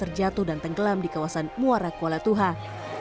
terjatuh dan tenggelam di kawasan muara kuala tuhan